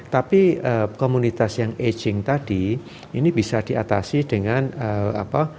tapi komunitas yang aging tadi ini bisa diatasi dengan apa